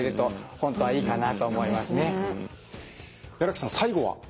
木さん最後は？